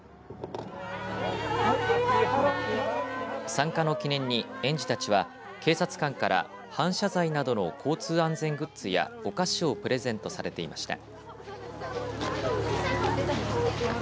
参加の記念に園児たちは警察官から反射材などの交通安全グッズやお菓子をプレゼントされていました。